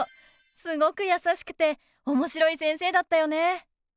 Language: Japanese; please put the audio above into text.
すごく優しくておもしろい先生だったよね。